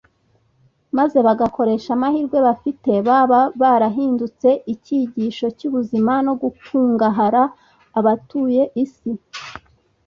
maze bagakoresha amahirwe bafite, baba barahindutse icyigisho cy'ubuzima no gukungahara abatuye isi